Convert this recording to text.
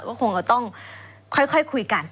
ว่าคงก็ต้องค่อยคุยกัน